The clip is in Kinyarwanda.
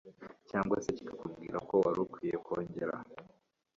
cyangwa se kikakubwira ko wari ukwiriye kongera